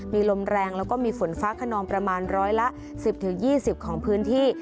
มีลมแรงแล้วก็มีฝนฟ้าขนองประมาณร้อยละ๑๐๒๐ของพื้นที่